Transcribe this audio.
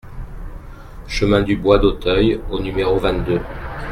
Chemin du Bois d'Auteuil au numéro vingt-deux